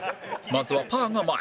まずはパーが前